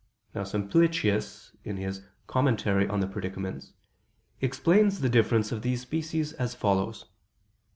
Now Simplicius, in his Commentary on the Predicaments, explains the difference of these species as follows.